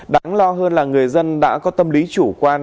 đáng lo hơn là người dân đã có tâm lý chủ quan